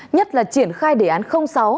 nhất là triển khai đề án sáu